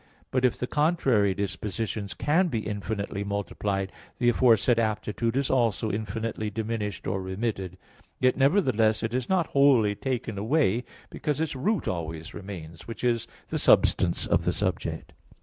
But if the contrary dispositions can be infinitely multiplied, the aforesaid aptitude is also infinitely diminished or remitted; yet, nevertheless, it is not wholly taken away, because its root always remains, which is the substance of the subject.